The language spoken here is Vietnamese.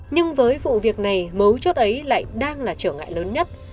nhưng với vụ việc này mấu chốt ấy lại đang là trở ngại lớn nhất